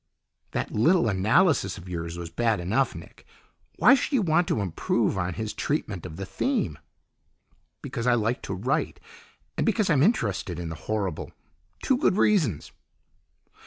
"That little analysis of yours was bad enough, Nick! Why should you want to improve on his treatment of the theme?" "Because I like to write, and because I'm interested in the horrible. Two good reasons."